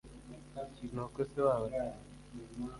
nuko se wabo ati